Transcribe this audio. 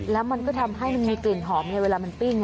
แล้วมันก็ทำให้มันมีกลิ่นหอมไงเวลามันปิ้ง